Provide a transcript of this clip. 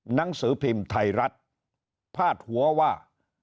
หนังสือพิมพ์ไทยรัฐพาดหัวว่า